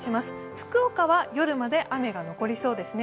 福岡は夜まで雨が残りそうですね。